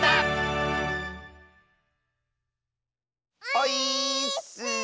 オイーッス！